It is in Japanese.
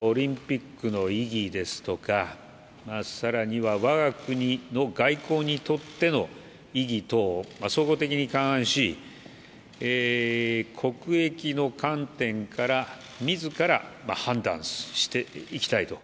オリンピックの意義ですとか、さらにはわが国の外交にとっての意義等、総合的に勘案し、国益の観点からみずから判断していきたいと。